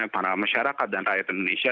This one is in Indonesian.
para masyarakat dan rakyat indonesia